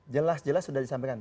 jelas jelas sudah disampaikan